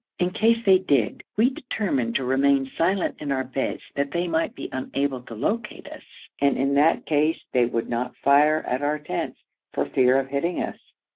In case they did we determined to remain silent in our beds that they might be unable to locate us, and in that case they would not fire at our tents for fear of hitting us.